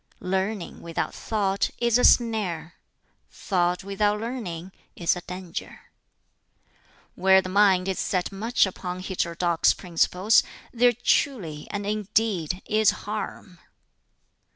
"Learning, without thought, is a snare; thought, without learning, is a danger. "Where the mind is set much upon heterodox principles there truly and indeed is harm."